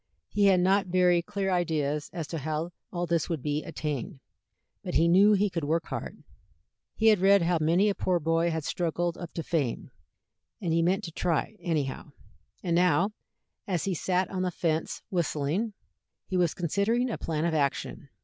He had not very clear ideas as to how all this was to be attained, but he knew he could work hard; he had read how many a poor boy had struggled up to fame, and he meant to try, anyhow. And now, as he sat on the fence whistling, he was considering a plan of action.